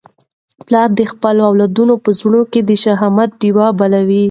پلار د خپلو اولادونو په زړونو کي د شهامت ډېوه بلوي.